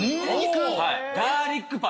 ガーリックパンです。